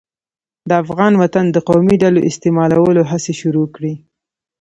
د افغان وطن د قومي ډلو استعمالولو هڅې شروع کړې.